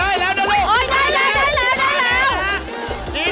ไปเร็วไปเร็วไปเร็วตอนนี้